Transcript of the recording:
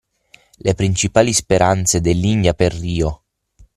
le principali speranze dell'india per rio